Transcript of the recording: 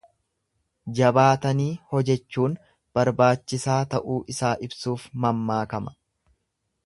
Jabaatanii hojechuun barbaachisaa ta'uu isaa ibsuuf mammaakama.